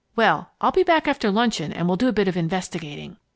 Well, I'll be back after luncheon and we'll do a bit of investigating.